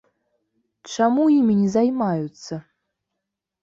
Чаму імі не займаюцца?